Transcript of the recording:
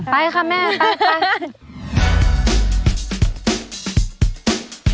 ไปค่ะแม่ไป